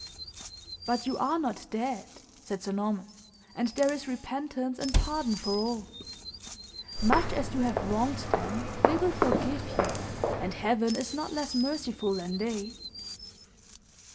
"But you are not dead," said Sir Norman; "and there is repentance and pardon for all. Much as you have wronged them, they will forgive you; and Heaven is not less merciful than they!"